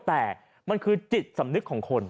แต่มันคือจิตสำนึกของคน